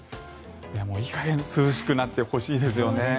もういい加減涼しくなってほしいですよね。